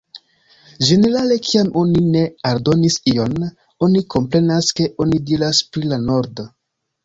Ĝenerale, kiam oni ne aldonis ion, oni komprenas ke oni diras pri la "norda".